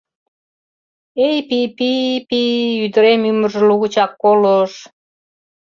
Эй, пи, пи, пи, ӱдырем ӱмыржӧ лугычак колыш...